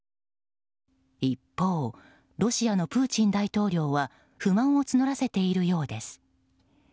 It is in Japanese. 一方、ロシアのプーチン大統領は不満を募らせているようです。